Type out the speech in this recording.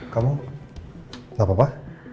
kamu gak apa apa